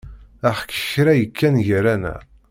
Aḥeq kra yekkan gar-aneɣ.